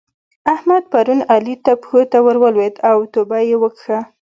احمد پرون علي ته پښو ته ور ولېد او توبه يې وکښه.